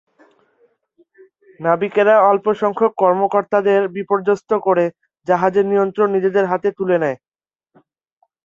নাবিকেরা অল্পসংখ্যক কর্মকর্তাদের বিপর্যস্ত করে জাহাজের নিয়ন্ত্রণ নিজেদের হাতে তুলে নেয়।